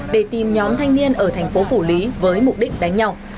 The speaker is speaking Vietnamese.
để tìm nhóm thanh niên ở thành phố phủ lý với mục đích đánh nhau